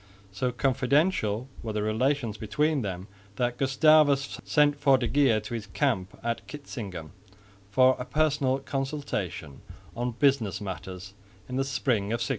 So confidential were the relations between them that Gustavus sent for de Geer to his camp at Kitzingen for a personal consultation on business matters in the spring of 1632.